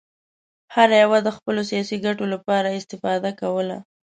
هر یوه د خپلو سیاسي ګټو لپاره استفاده کوله.